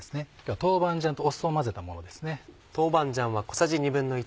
豆板醤と酢を混ぜたものですね。